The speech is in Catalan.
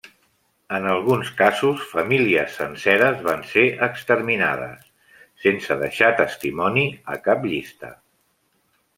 En alguns casos, famílies senceres van ser exterminades, sense deixar testimoni a cap llista.